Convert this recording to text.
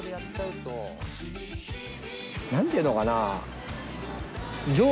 何て言うのかな